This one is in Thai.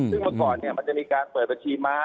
ซึ่งเมื่อก่อนมันจะมีการเปิดบัญชีม้า